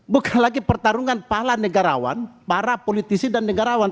bukan lagi pertarungan pahala negarawan para politisi dan negarawan